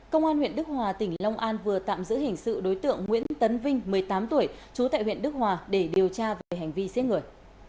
công an huyện đức hòa tỉnh long an vừa tạm giữ hình sự đối tượng nguyễn tấn vinh một mươi tám tuổi trú tại huyện đức hòa để điều tra về hành vi giết người